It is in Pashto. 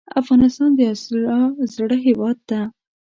افغانستان د اسیا زړه هیواد ده